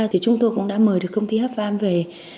thì chúng tôi cũng đã mời được công ty hafam về